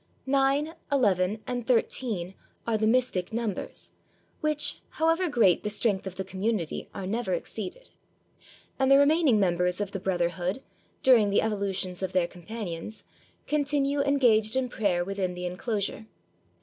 Nine, eleven, and thirteen are the mystic numbers, which, however great the strength of the community, are never ex ceeded; and the remaining members of the brotherhood, during the evolutions of their companions, continue en gaged in prayer within the inclosure.